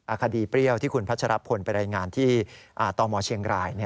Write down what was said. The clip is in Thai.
คดีเปรี้ยวที่คุณพัชรพลไปรายงานที่ตมเชียงราย